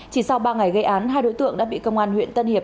chỉ sau ba ngày gây án hai đối tượng đã bị công an huyện tân hiệp